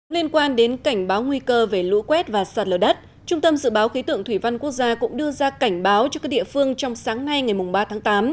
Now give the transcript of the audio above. liên quan đến cảnh báo nguy cơ về lũ quét và sạt lở đất trung tâm dự báo khí tượng thủy văn quốc gia cũng đưa ra cảnh báo cho các địa phương trong sáng nay ngày ba tháng tám